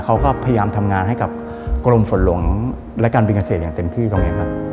เขาก็พยายามทำงานให้กับกรมฝนหลวงและการบินเกษตรอย่างเต็มที่ตรงนี้ครับ